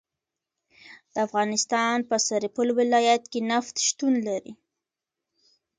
د افغانستان په سرپل ولایت کې نفت شتون لري